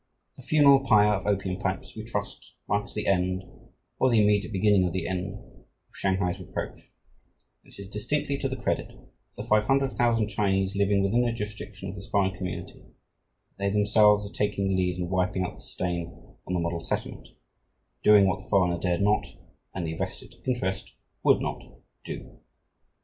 The funeral pyre of opium pipes, we trust, marks the end, or the immediate beginning of the end, of Shanghai's reproach, and it is distinctly to the credit of the 500,000 Chinese living within the jurisdiction of this foreign community, that they themselves are taking the lead in wiping out this stain on the "Model Settlement" doing what the foreigner dared not and the "vested interest" would not do.